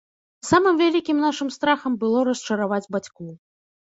Самым вялікім нашым страхам было расчараваць бацькоў.